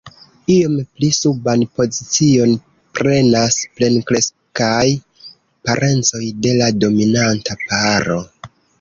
Iom pli suban pozicion prenas plenkreskaj parencoj de la dominanta paro.